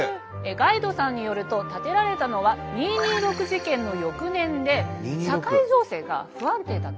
ガイドさんによると建てられたのは二・二六事件の翌年で社会情勢が不安定だったころだった。